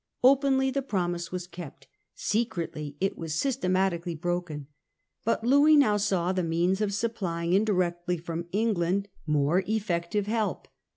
Openly the promise was kept ; secretly it was systematically broken. But Louis now saw the means of supplying indirectly from England more effective help.